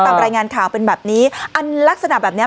ตามรายงานข่าวเป็นแบบนี้อันลักษณะแบบเนี้ย